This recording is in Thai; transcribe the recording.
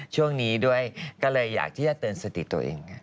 ช่วงนี้ด้วยก็เลยอยากที่จะเตือนสติตัวเอง